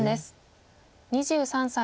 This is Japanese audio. ２３歳。